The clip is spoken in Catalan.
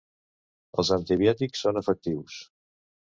Els antibiòtics són efectius.